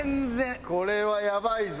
これはやばいぞ。